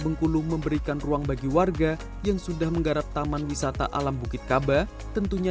bengkulu memberikan ruang bagi warga yang sudah menggarap taman wisata alam bukit kaba tentunya